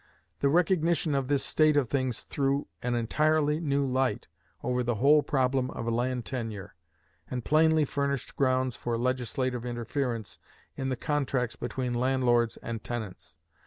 The recognition of this state of things threw an entirely new light over the whole problem of land tenure, and plainly furnished grounds for legislative interference in the contracts between landlords and tenants.